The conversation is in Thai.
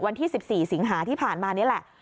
วันที่สิบสี่สิงหาที่ผ่านมานี้แหละ